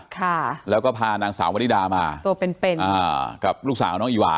ค่ะแล้วก็พานางสาววริดามาตัวเป็นเป็นอ่ากับลูกสาวน้องอีหวา